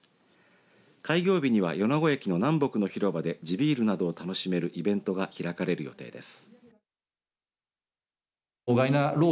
開業日には米子駅の南北の広場で地ビールなどを楽しめるイベントが開かれる予定です。